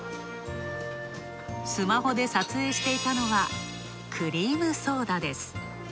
スマホで撮影していたのは、クリームソーダです。